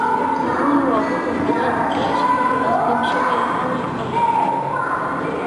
د ونو او بوټو کرل کولای شي د تخریب شوی خاورې په بیا رغونه.